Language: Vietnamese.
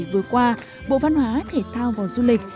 vừa qua bộ văn hóa thể thao và du lịch